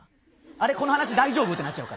あれこの話大丈夫？ってなっちゃうから。